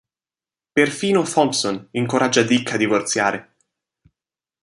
Perfino Thompson incoraggia Dick a divorziare.